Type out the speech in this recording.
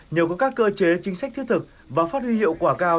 nhờ có các cơ chế chính sách thiết thực và phát huy hiệu quả cao